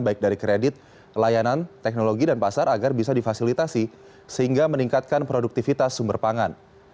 baik dari kredit layanan teknologi dan pasar agar bisa difasilitasi sehingga meningkatkan produktivitas sumber pangan